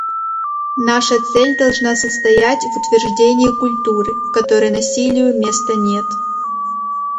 Наша цель должна состоять в утверждении культуры, в которой насилию места нет.